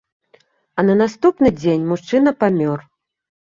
А на наступны дзень мужчына памёр.